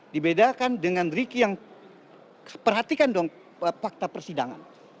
dibedakan dengan ricky yang perhatikan dong fakta persidangan